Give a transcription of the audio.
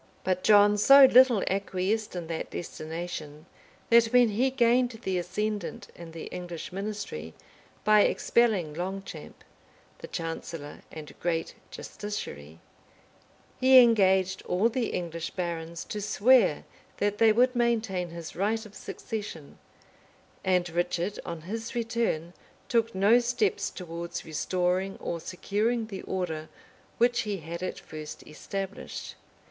] But John so little acquiesced in that destination that when he gained the ascendant in the English ministry by expelling Longchamp, the chancellor and great justiciary, he engaged all the English barons to swear that they would maintain his right of succession; and Richard, on his return, took no steps towards restoring or securing the order which he had at first established.